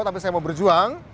tapi saya mau berjuang